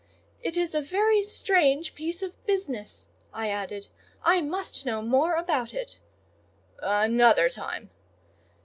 "It is a very strange piece of business," I added; "I must know more about it." "Another time."